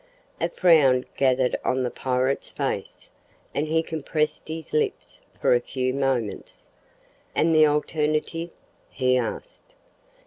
A frown gathered on the pirate's face, and he compressed his lips for a few moments. "And the alternative?" he asked.